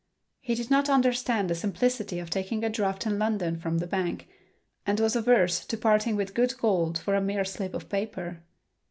He did not understand the simplicity of taking a draft on London from the bank, and was averse to parting with good gold for a mere slip of paper.